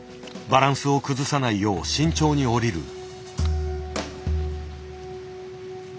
バランスを崩さないよう慎重に降りる。